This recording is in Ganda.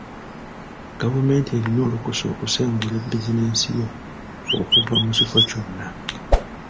Gavumenti erina olukusa okusengula bizinensi yo okuva mu kifo kyonna.